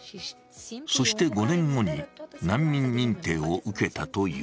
そして５年後に難民認定を受けたという。